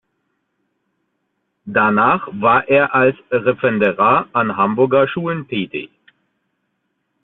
Danach war er als Referendar an Hamburger Schulen tätig.